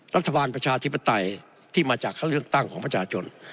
ประชาธิปไตยที่มาจากเลือกตั้งของประชาชน